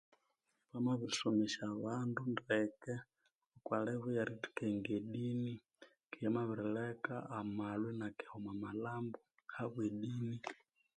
Bamabirisomesya abandu ndeke okwa level eye erikenga edini, keghe yamabirileka amalhwa inakeha omwa malhambo ahabwe edini .